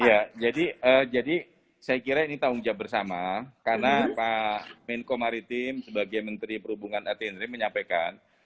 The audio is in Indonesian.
ya jadi saya kira ini tanggung jawab bersama karena pak menko maritim sebagai menteri perhubungan at indri menyampaikan